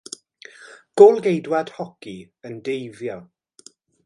Gôl-geidwad hoci yn deifio.